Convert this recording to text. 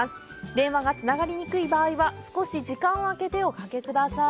電話がつながりにくい場合は少し時間をあけておかけください。